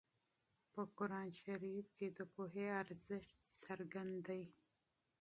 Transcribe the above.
په قرآن کې د پوهې ارزښت څرګند دی.